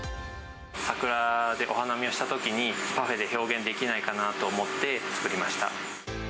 桜でお花見をしたときに、パフェで表現できないかなと思って作りました。